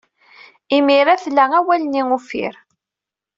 Imir-a, tla awal-nni uffir.